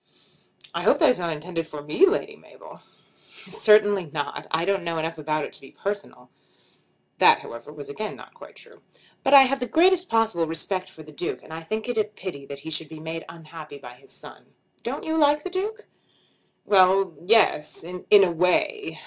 "I hope that is not intended for me, Lady Mabel." "Certainly not. I don't know enough about it to be personal." That, however, was again not quite true. "But I have the greatest possible respect for the Duke, and I think it a pity that he should be made unhappy by his son. Don't you like the Duke?" "Well; yes; in a way.